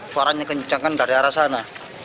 suaranya kencang kan dari arah sana